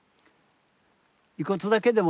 遺骨だけでもね